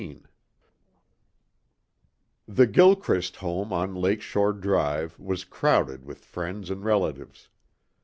15 The Gilchrist home on Lake Shore drive was crowded with friends and relatives.